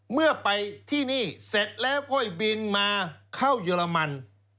เมื่อไปที่นี่เสร็จแล้วค่อยบินมาเข้าเยอรมัน